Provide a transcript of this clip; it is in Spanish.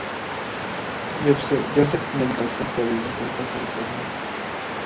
Joseph's Medical Center, en Burbank, California.